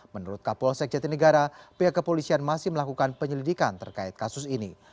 menurut kapolsek jatinegara pihak kepolisian masih melakukan penyelidikan terkait kasus ini